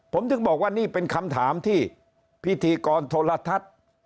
ผมถึงบอกว่านี่เป็นคำถามที่พิธีกรโทรทัศน์